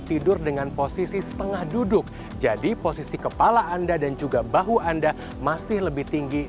tidur dengan posisi setengah duduk jadi posisi kepala anda dan juga bahu anda masih lebih tinggi